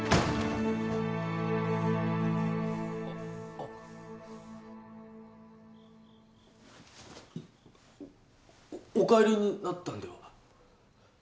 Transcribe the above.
あッお帰りになったんでは？